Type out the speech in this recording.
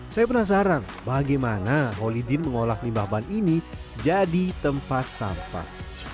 saya penasaran bagaimana holidin mengolah limbah ban ini jadi tempat sampah